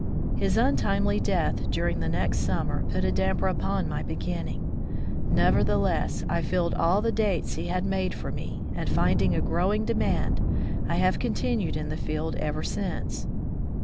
His untimely death during the next summer put a damper upon my beginning; nevertheless I filled all the dates he had made for me, and finding a growing demand, I have continued in the field ever since.